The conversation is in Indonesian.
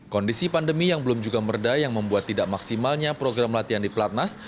kondisi pandemi yang belum juga meredah yang membuat tidak maksimalnya program latihan di pelatnas